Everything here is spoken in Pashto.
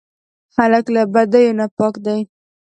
هلک له بدیو نه پاک دی.